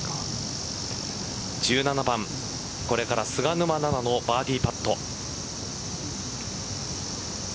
１７番、これから菅沼菜々のバーディーパット。